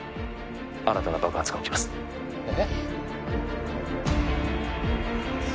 新たな爆発が起きますええ？